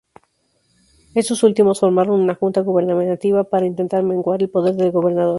Estos últimos, formaron una "Junta Gubernativa" para intentar menguar el poder del gobernador.